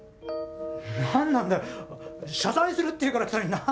何なんだよ謝罪するっていうから来たのに何？